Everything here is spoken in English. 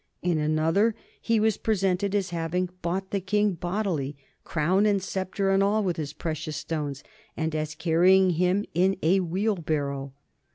In another he was represented as having bought the King bodily, crown and sceptre and all, with his precious stones, and as carrying him away in a wheelbarrow.